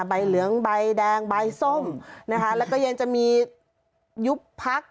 ใบเหลืองใบแดงใบส้มนะคะแล้วก็ยังจะมียุบพัก